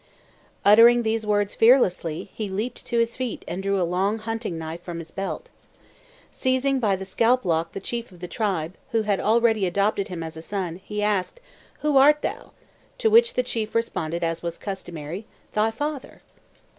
Uttering these words fearlessly, he leaped to his feet and drew a long hunting knife from his belt. Seizing by the scalp lock the chief of the tribe, who had already adopted him as his son, he asked: "Who art thou?" To which the chief responded, as was customary: "Thy father."